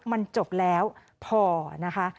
มันจบแล้วพอนะคะ